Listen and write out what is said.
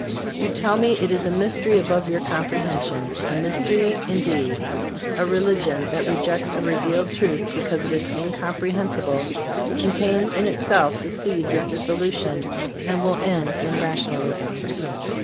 You tell me it is a mystery above your comprehension. A mystery, indeed. A religion that rejects a revealed truth because it is incomprehensible contains in itself the seeds of dissolution and will end in rationalism.